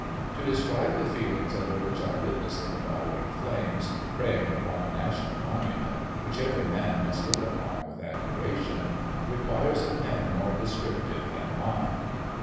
To des cribe the feelings under which I witnessed the devouring flames preying upon a national monument, which every man must look upon with admiration, requires a pen more des criptive than mine.